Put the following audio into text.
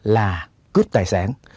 là cướp tài sản